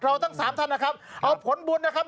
เราตั้ง๓ท่านนะครับเอาผลบุญนะครับ